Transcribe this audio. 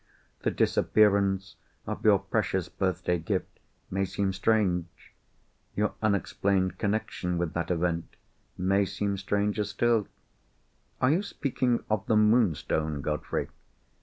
The disappearance of your precious birthday gift may seem strange; your unexplained connection with that event may seem stranger still——" "Are you speaking of the Moonstone, Godfrey?"